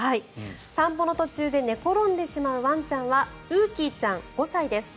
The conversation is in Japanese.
散歩の途中で寝転んでしまうワンちゃんはうーきーちゃん、５歳です。